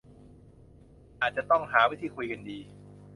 ที่อาจจะต้องหาวิธีคุยกันดี